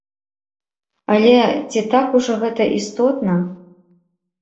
Але ці так ужо гэта істотна?